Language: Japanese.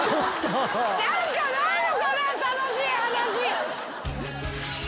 何かないのかなぁ楽しい話。